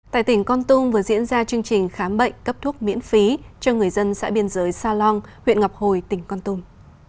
tại tỉnh con tum vừa diễn ra chương trình khám bệnh cấp thuốc miễn phí cho người dân xã biên giới sa long huyện ngọc hồi tỉnh con tum